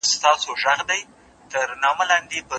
لمر یې په اوړي سوځوي په ژمي سکور نه لري